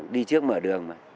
đi trước mở đường mà